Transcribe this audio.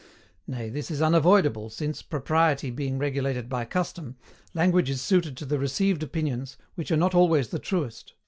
Nay, this is unavoidable, since, propriety being regulated by CUSTOM, language is suited to the RECEIVED opinions, which are not always the truest.